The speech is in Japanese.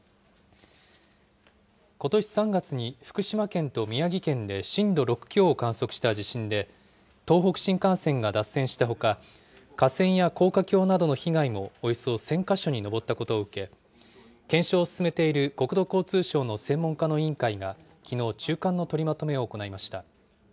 ことし３月に福島県と宮城県で震度６強を観測した地震で、東北新幹線が脱線したほか、架線や高架橋などの被害もおよそ１０００か所に上ったことを受け、検証を進めている国土交通省の専門家の委員会が、きのう中間の取りまとめを行いました。